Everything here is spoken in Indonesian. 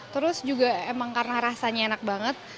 terus juga emang karena rasanya enak banget